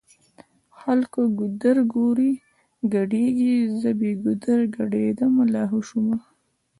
خلکه ګودرګوري ګډيږی زه بې ګودره ګډيدمه لا هو شومه